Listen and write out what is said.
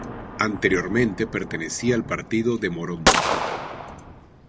Anteriormente pertenecía al partido de Morón.